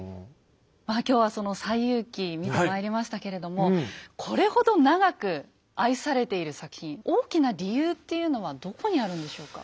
まあ今日はその「西遊記」見てまいりましたけれどもこれほど長く愛されている作品大きな理由っていうのはどこにあるんでしょうか？